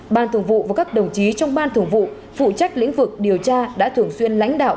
ban thường vụ và các đồng chí trong ban thường vụ phụ trách lĩnh vực điều tra đã thường xuyên lãnh đạo